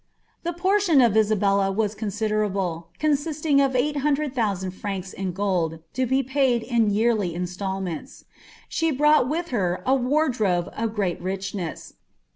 The portion of Isabella waa considerable, consisting of 900,000 fmnci in gold, to be paid in yearly instalments. She brought with her a ward robe of grpni richness.